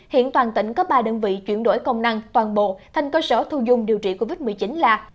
hiện toàn tỉnh có ba đơn vị chuyển đổi công năng toàn bộ thành cơ sở thu dung điều trị covid một mươi chín là